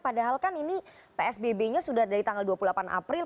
padahal kan ini psbb nya sudah dari tanggal dua puluh delapan april